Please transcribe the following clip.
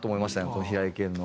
この平井堅の。